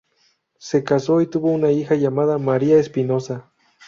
Se caso y tuvo una hija llamada María Espinosa.